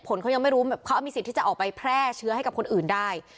คนเขายังไม่รู้เขามีสิทธิ์ที่จะออกไปแพร่เชื้อให้กับคนอื่นได้